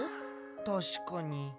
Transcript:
たしかに。